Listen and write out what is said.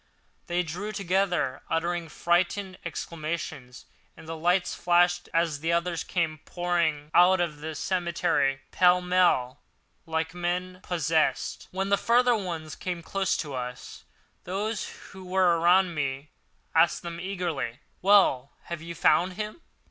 They drew together, uttering frightened exclamations; and the lights flashed as the others came pouring out of the cemetery pell mell, like men possessed. When the further ones came close to us, those who were around me asked them eagerly: "Well, have you found him?"